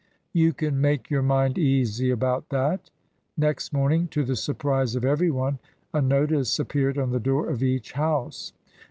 "You can make your mind easy about that." Next morning, to the surprise of every one, a notice appeared on the door of each house.